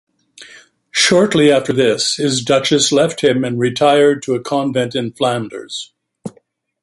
Shortly after this, his Duchess left him and retired to a convent in Flanders.